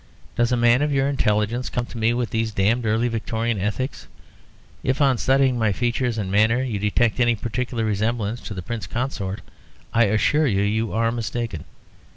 "Does a man of your intelligence come to me with these damned early Victorian ethics? If, on studying my features and manner, you detect any particular resemblance to the Prince Consort, I assure you you are mistaken.